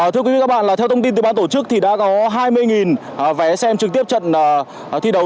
thưa quý vị và các bạn là theo thông tin từ ban tổ chức thì đã có hai mươi vé xem trực tiếp trận thi đấu